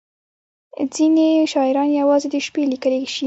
• ځینې شاعران یوازې د شپې لیکلی شي.